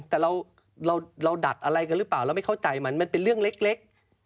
แต่เราดัดอะไรกันหรือเปล่าเราไม่เข้าใจมันมันเป็นเรื่องเล็ก